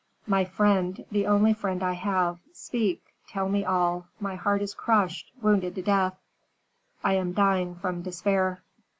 My friend, the only friend I have, speak tell me all. My heart is crushed, wounded to death; I am dying from despair."